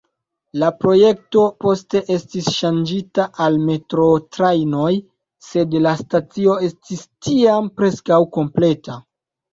La projekto poste estis ŝanĝita al metroo-trajnoj, sed la stacio estis tiam preskaŭ kompleta.